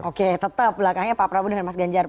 oke tetap belakangnya pak prabowo dengan mas ganjar